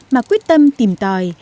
mà quyết tâm tìm tòi